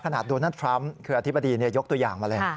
โดนัลดทรัมป์คืออธิบดียกตัวอย่างมาเลย